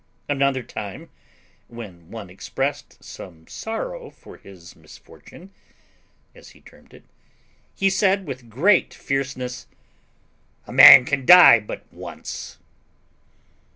Another time, when one expressed some sorrow for his misfortune, as he termed it, he said with great fierceness "A man can die but once."